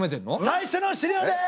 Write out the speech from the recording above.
最初の資料です！